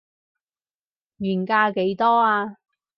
原價幾多啊